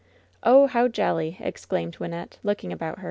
"Oh^ how joUy !" exclaimed Wynnette, looking about her.